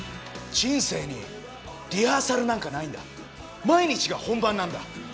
人生にリハーサルなんかないんだ、毎日が本番なんだ。